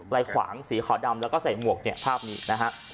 ขวางสีขาวดำแล้วก็ใส่หมวกเนี่ยภาพนี้นะฮะ